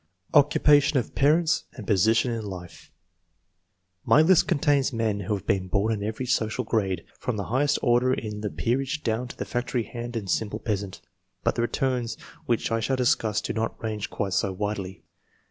OCCUPATION OF PARENTS AND POSITION IN LIFE. My list contains men who have been bom in every social grade, from the highest order in the peerage down to the factory hand and simple peasant, but the returns which I shall discuss do not range quite so widely.